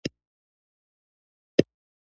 تر قیامته خو به نه وي.